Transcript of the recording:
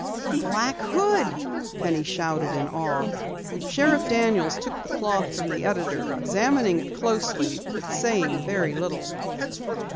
"A black hood!" Penny shouted in awe. Sheriff Daniels took the cloth from the editor, examining it closely but saying very little.